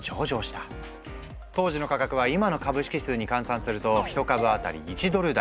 当時の価格は今の株式数に換算すると１株あたり１ドル台。